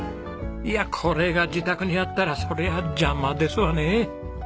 いやこれが自宅にあったらそりゃ邪魔ですわね。